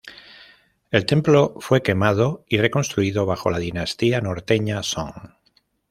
El templo fue quemado y reconstruido bajo la "dinastía norteña Song".